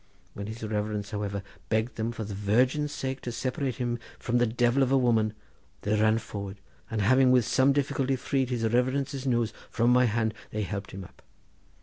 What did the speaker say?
When his reverence, however, begged them, for the Virgin's sake, to separate him from the divil of a woman, they ran forward, and having with some difficulty freed his reverence's nose from my hand, they helped him up.